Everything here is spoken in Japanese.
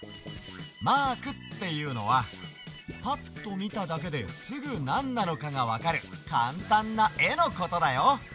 マークっていうのはパッとみただけですぐなんなのかがわかるカンタンなえのことだよ！